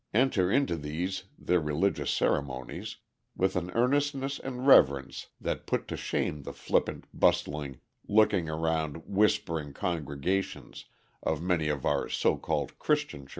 enter into these, their religious ceremonies, with an earnestness and reverence that put to shame the flippant, bustling, looking around, whispering congregations of many of our so called Christian churches.